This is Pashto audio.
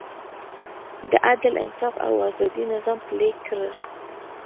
د عدل، انصاف او ازادۍ نظام پلی کړ.